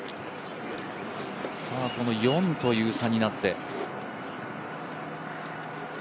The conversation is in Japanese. ４という差になって。